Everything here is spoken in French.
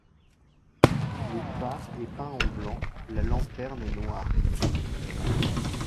Le phare est peint en blanc, la lanterne est noire.